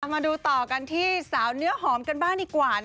มาดูต่อกันที่สาวเนื้อหอมกันบ้างดีกว่า